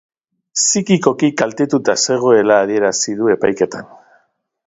Psikikoki kaltetuta zegoela adierazi du epaiketan.